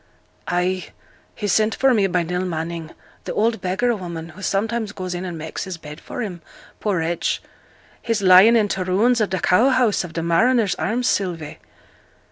'Ay. He sent for me by Nell Manning, th' old beggar woman, who sometimes goes in and makes his bed for him, poor wretch, he's lying in t' ruins of th' cow house of th' Mariners' Arms, Sylvie.'